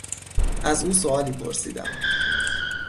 از او سؤالی پرسیدم.